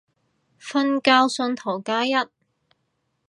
瞓覺信徒加一